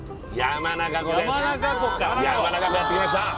山中湖やってきました